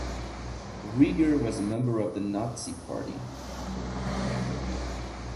Rieger was a member of the Nazi party.